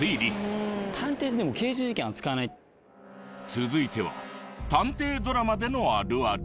続いては探偵ドラマでのあるある。